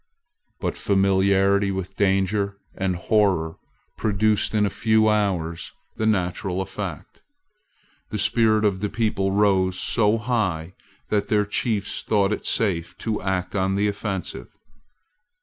But familiarity with danger and horror produced in a few hours the natural effect. The spirit of the people rose so high that their chiefs thought it safe to act on the offensive.